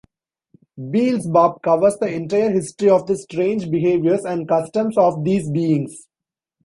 Beelzebub covers the entire history of the strange behaviors and customs of these beings.